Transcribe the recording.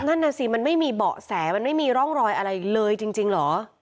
นั่นน่ะสิมันไม่มีเบาะแสมันไม่มีร่องรอยอะไรเลยจริงเหรอ